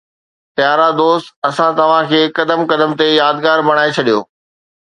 پيارا دوست، اسان توهان کي قدم قدم تي يادگار بڻائي ڇڏيو